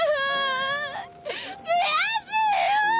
悔しいよ！